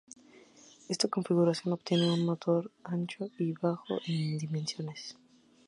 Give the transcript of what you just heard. Esta configuración obtiene un motor ancho y bajo en dimensiones.